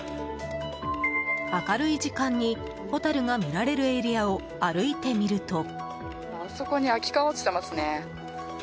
明るい時間にホタルが見られるエリアを歩いてみると。